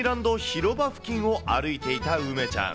広場付近を歩いていた梅ちゃん。